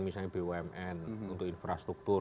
misalnya bumn untuk infrastruktur